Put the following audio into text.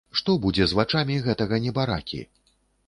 Што будзе з вачамі гэтага небаракі?